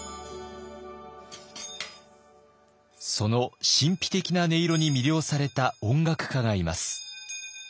その神秘的な音色に魅了された音楽家がいます。